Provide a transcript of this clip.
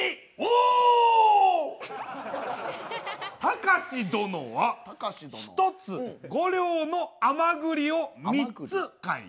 たかし殿は１つ５両の甘ぐりを３つ買い。